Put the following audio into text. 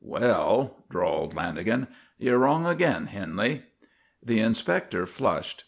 "Well," drawled Lanagan, "you're wrong again, Henley." The inspector flushed.